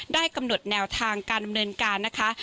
กำหนดแนวทางการดำเนินการนะคะ